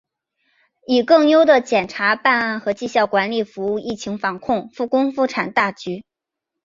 以更优的检察办案和绩效管理服务疫情防控、复工复产大局